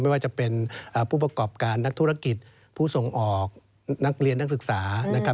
ไม่ว่าจะเป็นผู้ประกอบการนักธุรกิจผู้ส่งออกนักเรียนนักศึกษานะครับ